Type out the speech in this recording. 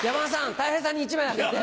たい平さんに１枚あげて。